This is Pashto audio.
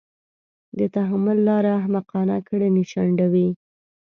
د تحمل لاره احمقانه کړنې شنډوي.